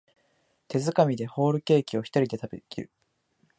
手づかみでホールケーキをひとりで食べきる